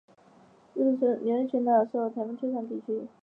日本琉球群岛是最先受到台风摧残的地区。